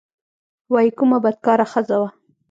وايي کومه بدکاره ښځه وه.